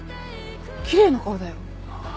きれいな顔だよ。